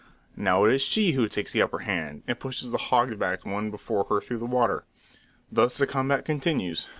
Now it is she who takes the upper hand, and pushes the hog backed one before her through the water. Thus the combat continues.